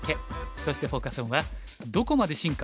そしてフォーカス・オンは「どこまで進化？